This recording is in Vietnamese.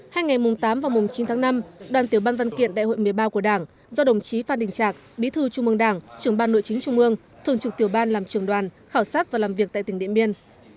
hai ngày mùng tám và mùng chín tháng năm đoàn tiểu ban văn kiện đại hội một mươi ba của đảng do đồng chí phan đình trạc bí thư trung mương đảng trưởng ban nội chính trung mương thường trực tiểu ban làm trường đoàn khảo sát và làm việc tại tỉnh điện biên